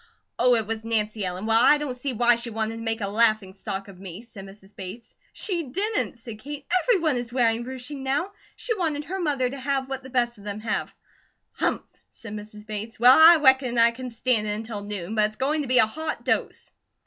"Oh, it was Nancy Ellen! Well, I don't see why she wanted to make a laughing stock of me," said Mrs. Bates. "She didn't!" said Kate. "Everyone is wearing ruching now; she wanted her mother to have what the best of them have." "Humph!" said Mrs. Bates. "Well, I reckon I can stand it until noon, but it's going to be a hot dose."